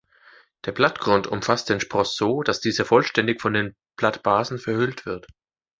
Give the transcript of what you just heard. Der Blattgrund umfasst den Spross so, dass dieser vollständig von den Blattbasen verhüllt wird.